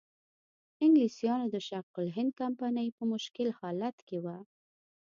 انګلیسانو د شرق الهند کمپنۍ په مشکل حالت کې وه.